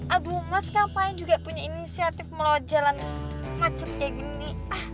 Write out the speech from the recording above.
abu mas ngapain juga punya inisiatif melawat jalan macet kayak gini